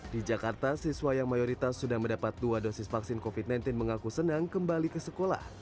di jakarta siswa yang mayoritas sudah mendapat dua dosis vaksin covid sembilan belas mengaku senang kembali ke sekolah